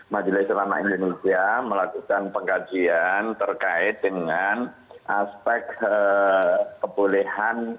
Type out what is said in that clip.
majelis selama indonesia melakukan pengkajian terkait dengan aspek kebolehan